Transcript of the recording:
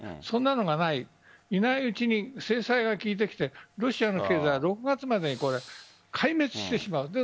そんなのがいないうちに制裁が効いてきてロシアの経済は６月までに壊滅してしまう。